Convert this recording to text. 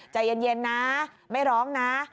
ใจเย็นนะไม่ร้องนะ